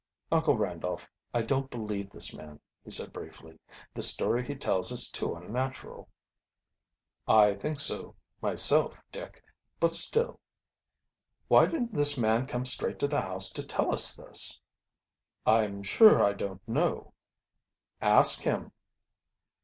"Uncle Randolph, I don't believe this man," he said briefly. "The story he tells is too unnatural." "I think so myself, Dick; but still " "Why didn't this man come straight to the house to tell us this?" "I'm sure I don't know." "Ask him."